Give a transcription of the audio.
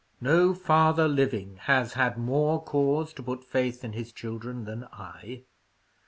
No father living has had more cause to put faith in his children than I.